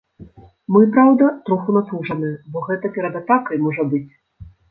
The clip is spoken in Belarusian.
Мы, праўда, троху напружаныя, бо гэта перад атакай можа быць.